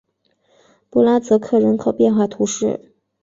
博拉泽克人口变化图示